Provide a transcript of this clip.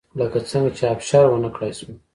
لکه څنګه چې ابشار ونه کړای شوه